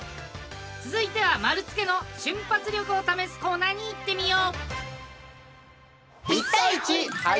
続いては丸つけの瞬発力を試すコーナーにいってみよう。